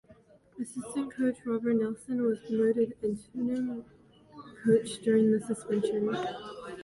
Assistant coach Roger Neilson was promoted interim coach during the suspension.